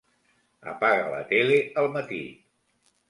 Apaga la tele al matí.